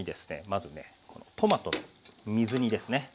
まずねトマト水煮ですね